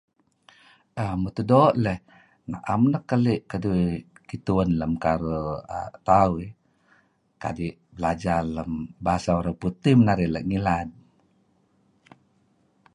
uhm Mutuh doo' leyh, naem nuk keli' keduih gituen lem karuh uhm tauh. Kadi' belajar lem bahasa Orang Putih men narih lat ngilad.